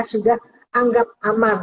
sudah anggap aman